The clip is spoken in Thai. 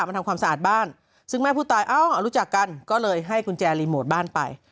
มาทำความสะอาดบ้านซึ่งแม่ผู้ตายเอ้ารู้จักกันก็เลยให้กุญแจรีโมทบ้านไป